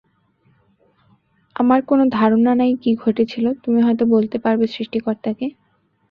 আমার কোন ধারণা নাই কি ঘটেছিল তুমি হয়তো বলতে পারবে সৃষ্টিকর্তাকে?